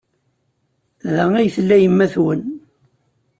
Da ay tella yemma-twen?